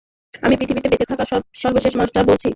আমি পৃথিবীতে বেঁচে থাকা সর্বশেষ মানুষটা বলছি!